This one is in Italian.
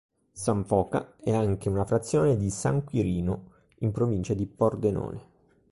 San Foca è anche una frazione di San Quirino in Provincia di Pordenone.